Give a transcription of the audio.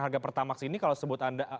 harga pertamax ini kalau sebut anda